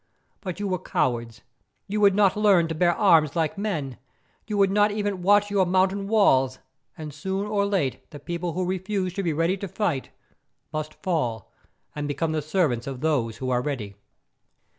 But you were cowards; you would not learn to bear arms like men, you would not even watch your mountain walls, and soon or late the people who refuse to be ready to fight must fall and become the servants of those who are ready."